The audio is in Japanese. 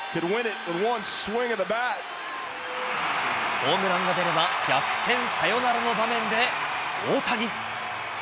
ホームランが出れば、逆転サヨナラの場面で大谷。